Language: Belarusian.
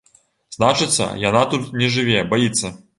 Значыцца, яна тут не жыве, баіцца.